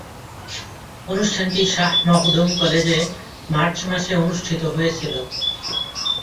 অনুষ্ঠানটি শাহ মখদুম কলেজে মার্চ মাসে অনুষ্ঠিত হয়েছিলো।